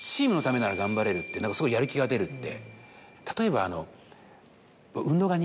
すごいやる気が出るって。